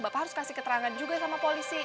bapak harus kasih keterangan juga sama polisi